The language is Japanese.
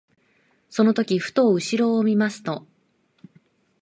その時ふと後ろを見ますと、